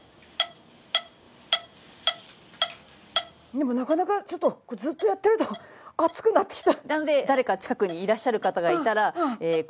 でもなかなかちょっとずっとやってると暑くなってきた。